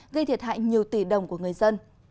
gây thiệt hại nhiều tỷ đồng của người dân